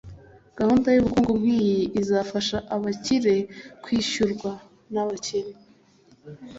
gahunda yubukungu nkiyi izafasha abakire kwishyurwa nabakene